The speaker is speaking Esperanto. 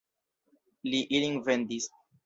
Li ilin vendis.